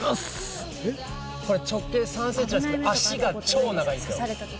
これ直径３ｃｍなんですけど脚が超長いんですよ。